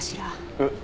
えっ？